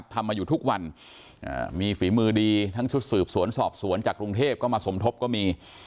ทำมาอยู่ทุกวันมีฝีมือดีทั้งชุดสืบสวนสอบสวนจากกรุงเทพก็มาสมทบก็มี